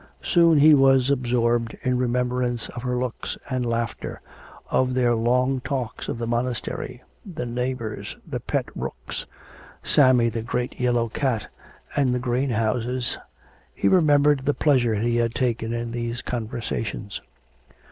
Soon he was absorbed in remembrance of her looks and laughter, of their long talks of the monastery, the neighbours, the pet rooks, Sammy the great yellow cat, and the greenhouses. He remembered the pleasure he had taken in these conversations.